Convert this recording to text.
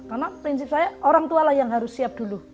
karena prinsip saya orang tua yang harus siap dulu